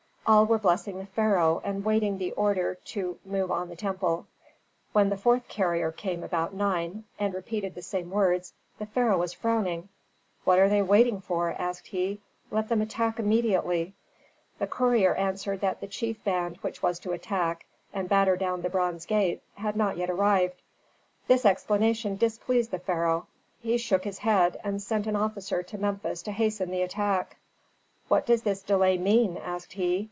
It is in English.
All were blessing the pharaoh, and waiting the order to move on the temple. When the fourth courier came about nine, and repeated the same words, the pharaoh was frowning. "What are they waiting for?" asked he. "Let them attack immediately." The courier answered that the chief band which was to attack and batter down the bronze gate had not arrived yet. This explanation displeased the pharaoh. He shock his head, and sent an officer to Memphis to hasten the attack. "What does this delay mean?" asked he.